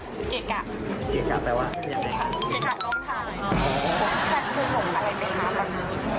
อ๋อผมแค่คือหลงไปเลยนะประมาณนี้